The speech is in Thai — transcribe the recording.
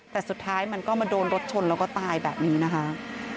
แต่สุดท้ายมันก็มาโดนรถชนแล้วก็ตายแบบนี้นะคะ